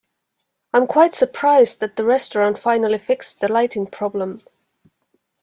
I am quite surprised that the restaurant finally fixed the lighting problem.